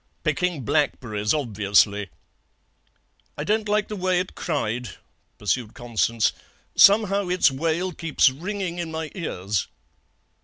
"'Picking blackberries. Obviously.' "'I don't like the way it cried,' pursued Constance; 'somehow its wail keeps ringing in my ears.'